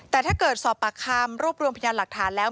แต่ถ้าเกิดสอบปากคำรวบรวมพยานหลักฐานแล้ว